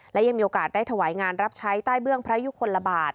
และยังมีโอกาสได้ถวายงานรับใช้ใต้เบื้องพระยุคลบาท